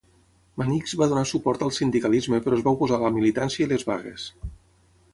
Mannix va donar suport al sindicalisme però es va oposar a la militància i les vagues.